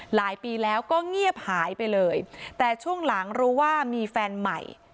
หลายปีแล้วก็เงียบหายไปเลยแต่ช่วงหลังรู้ว่ามีแฟนใหม่